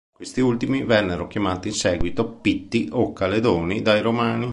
Questi ultimi vennero chiamati in seguito Pitti o Caledoni dai Romani.